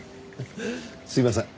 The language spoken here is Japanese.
すいません